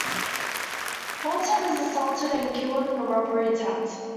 Houghton is assaulted and killed in a robbery attempt.